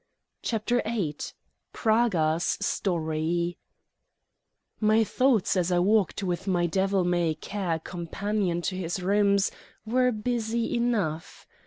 CHAPTER VIII PRAGA'S STORY My thoughts as I walked with my devil may care companion to his rooms were busy enough.